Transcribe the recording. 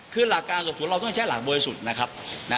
คือหลักการกับสุดเราต้องใช้หลักเบยสุดนะครับ